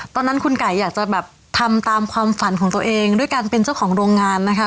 ตอนนั้นคุณไก่อยากจะแบบทำตามความฝันของตัวเองด้วยการเป็นเจ้าของโรงงานนะคะ